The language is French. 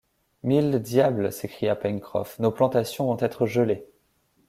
Mille diables s’écria Pencroff, nos plantations vont être gelées